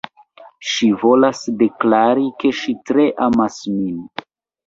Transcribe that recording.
Ŝi volas deklari, ke ŝi tre amas min